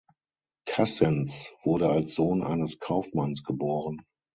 Cassens wurde als Sohn eines Kaufmanns geboren.